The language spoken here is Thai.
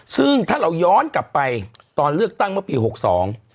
ซึ่งถ้าเราย้อนกลับไปตอนเลือกตั้งเมื่อปีหกสอง